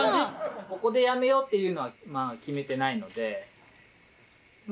ここで辞めようっていうのは決めてないので。